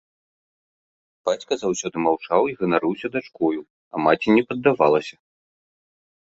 Бацька заўсёды маўчаў і ганарыўся дачкою, а маці не паддавалася.